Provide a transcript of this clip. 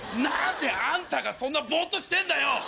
何であんたがそんなボっとしてんだよ！